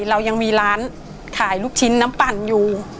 เรายังมีร้านขายลูกชิ้นน้ำปั่นอยู่